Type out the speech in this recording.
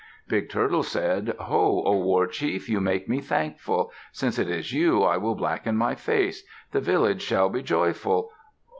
Big Turtle said, "Ho! O war chief. You make me thankful. Since it is you, I will blacken my face. The village shall be joyful.